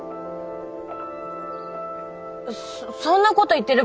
そんなこと言ってる場合じゃ。